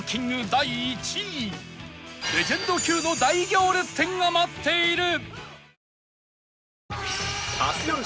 第１位レジェンド級の大行列店が待っている！